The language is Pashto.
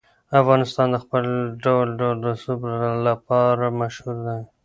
افغانستان د خپل ډول ډول رسوب لپاره مشهور دی.